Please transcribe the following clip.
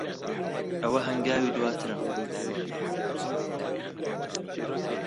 ئەوە ھەنگاوی دواترە.